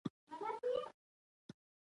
دوکاندار د خپلو جنسونو قیمت برابر کوي.